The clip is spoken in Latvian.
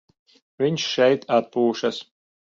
Viņš šeit atpūšas.